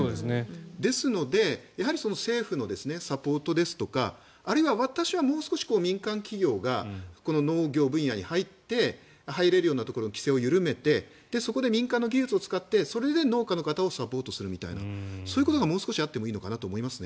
ですので政府のサポートですとかあるいは、もう少し民間企業が農業分野に入って入れるようなところの規制を緩めて民間の技術を使ってそれで農家の方をサポートするみたいなそういうことがもう少しあってもいいかなと思います。